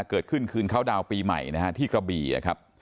เกิดขึ้นคืนเขาดาวน์ปีใหม่นะฮะที่กระบี่นะครับ